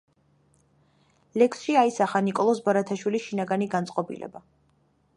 ლექსში აისახა ნიკოლოზ ბარათაშვილის შინაგანი განწყობილება.